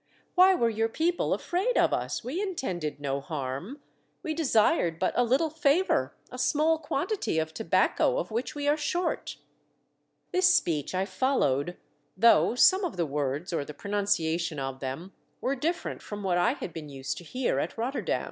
"Why were your people afraid of us? We intended no harm. We desired but a little favour — a small quantity of tobacco, of which we are short." This speech I followed, though some of the words, or the pronunciation of them, were different from what I had been used to hear at Rotterdam.